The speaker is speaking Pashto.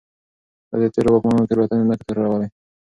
ده د تېرو واکمنانو تېروتنې نه تکرارولې.